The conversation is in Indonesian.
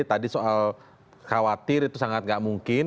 tadi soal khawatir itu sangat gak mungkin